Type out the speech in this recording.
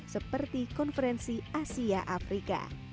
seperti konferensi asia afrika